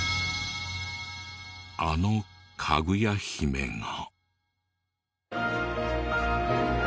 あのかぐや姫が。